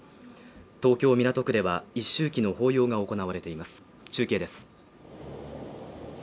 東京・港区では、一周忌の法要が行われています中継です。